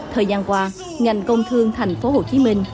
thời gian qua ngành công thương thành phố hồ chí minh